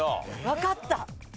わかった？